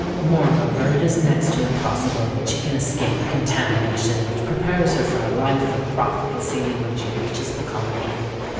Moreover, it is next to impossible that she can escape a contamination which prepares her for a life of profligacy when she reaches the colony.